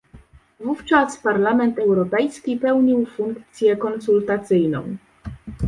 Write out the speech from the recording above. Wówczas Parlament Europejski pełnił funkcję konsultacyjną